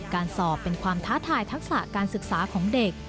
การสอบเป็นความท้าทายทักษะการศึกษาของเด็ก